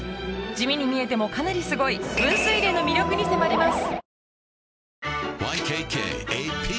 地味に見えてもかなりすごい分水嶺の魅力に迫ります